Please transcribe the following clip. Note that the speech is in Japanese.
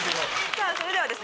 さぁそれではですね